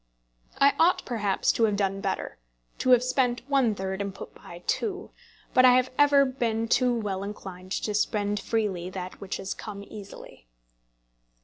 I ought perhaps to have done better, to have spent one third, and put by two; but I have ever been too well inclined to spend freely that which has come easily.